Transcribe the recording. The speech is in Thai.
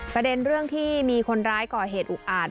ประเด็นเรื่องที่มีคนร้ายก่อเหตุอุกอาจ